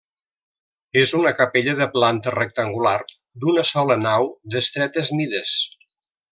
És una capella de planta rectangular, d'una sola nau d'estretes mides.